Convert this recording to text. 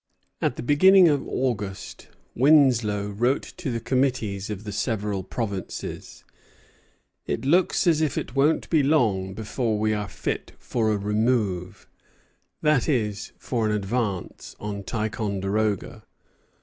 At the beginning of August Winslow wrote to the committees of the several provinces: "It looks as if it won't be long before we are fit for a remove," that is, for an advance on Ticonderoga.